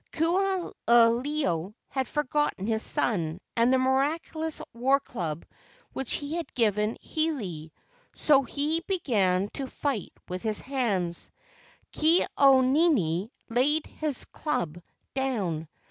Ku aha ilo had forgotten his son, and the miraculous war club which he had given to Hiilei, so he began to fight with his hands. Ke au nini laid his club down.